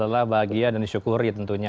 lelah bahagia dan disyukuri tentunya